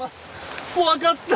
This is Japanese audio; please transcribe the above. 怖かった！